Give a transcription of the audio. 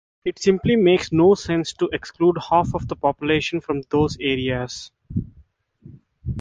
It simply makes no sense to exclude half of the population from those areas.